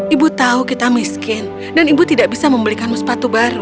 ibu tahu kita miskin dan ibu tidak bisa membelikanmu sepatu baru